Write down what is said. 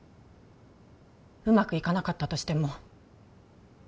うまくいかなかったとしても